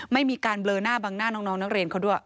ไม่มีการเบลอหน้าบังหน้าน้องนักเรียนเขาด้วย